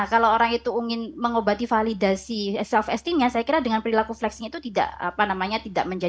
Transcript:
kalau orang itu ingin mengobati validasi self esteemnya saya kira dengan perilaku flexing itu tidak apa namanya tidak menjadi